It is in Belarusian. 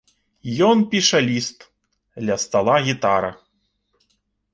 Ён піша ліст, ля стала гітара.